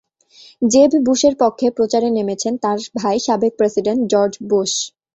জেব বুশের পক্ষে প্রচারে নেমেছেন তাঁর ভাই সাবেক প্রেসিডেন্ট জর্জ বুশ।